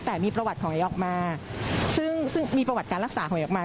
แต่มีประวัติของเหยียกมาซึ่งมีประวัติการรักษาของเหยียกมา